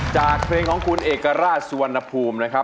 จากเพลงของคุณเอกราชสุวรรณภูมินะครับ